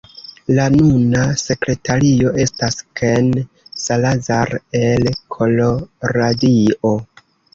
La nuna sekretario estas Ken Salazar el Koloradio.